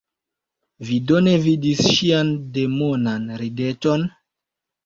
Vi do ne vidis ŝian demonan rideton?